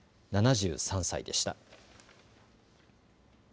７３歳でした。